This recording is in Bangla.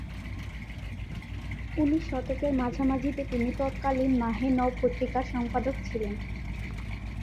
উনিশ শতকের মাঝামাঝিতে তিনি তৎকালীন মাহে নও পত্রিকার সম্পাদক ছিলেন।